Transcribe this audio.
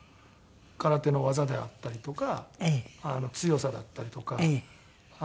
空手の技であったりとか強さだったりとか。